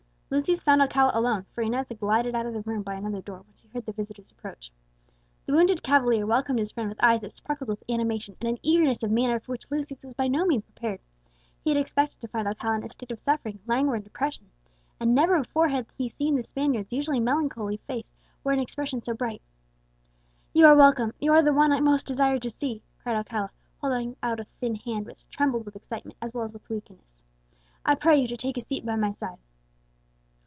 Lucius found Alcala alone, for Inez had glided out of the room by another door when she heard the visitor's approach. The wounded cavalier welcomed his friend with eyes that sparkled with animation, and an eagerness of manner for which Lucius was by no means prepared. He had expected to find Alcala in a state of suffering, languor, and depression, and never before had he seen the Spaniard's usually melancholy face wear an expression so bright. "You are welcome; you are the one whom I most desired to see!" cried Alcala, holding out a thin hand which trembled with excitement as well as with weakness. "I pray you to take a seat by my side."